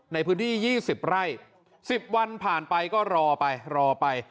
ในพื้นที่๒๐ไร่๑๐วันผ่านไปก็รอไปรอไป